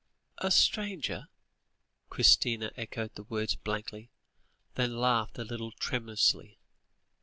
"A stranger?" Christina echoed the words blankly, then laughed a little tremulously.